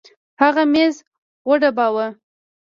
هغه ميز وډباوه.